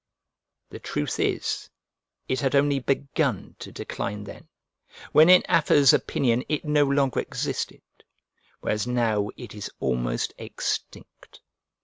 '" The truth is it had only begun to decline then, when in Afer's opinion it no longer existed whereas now it is almost extinct.